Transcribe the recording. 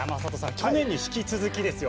去年に引き続きですよ。